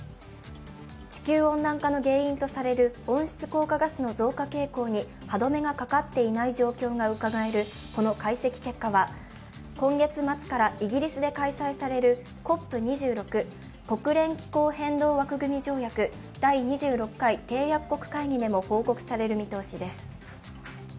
地球温暖化の原因とされる温室効果ガスの増加傾向に歯止めがかかっていない状況がうかがえる、この解析結果は今月末からイギリスで開催されるＣＯＰ２６＝国連気候変動枠組条約第２６回締約国会議でも報告される見通しです。